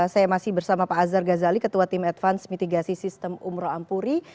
saya masih bersama pak azhar ghazali ketua tim advance mitigasi sistem umroh ampuri